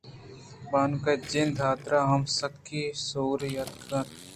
بانک ءِ جند ءِحاترا ہم سکی ءُسوری اتک کنت